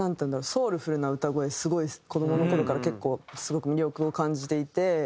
ソウルフルな歌声すごい子どもの頃から結構すごく魅力を感じていて。